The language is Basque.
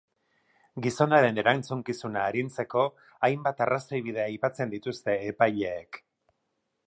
Gizonaren erantzukizuna arintzeko hainbat arrazoibide aipatzen dituzte epaileek.